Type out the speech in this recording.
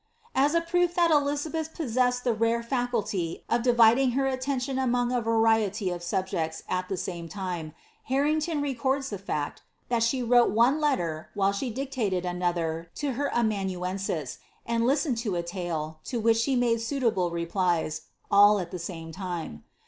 As a proof that Elizabeth possessed the rare faculty of dividing her attention among a variety of subjects at the same time, Harrington re cords the fact, that she wrote one letter while she dictated another to her amanuensis, and listened to a tale, to which she made suitable re plies, all at the same time.